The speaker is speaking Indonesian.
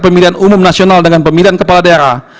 pemilihan umum nasional dengan pemilihan kepala daerah